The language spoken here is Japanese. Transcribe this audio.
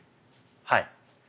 はい。